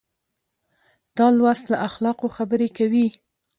دا لوست له اخلاقو خبرې کوي.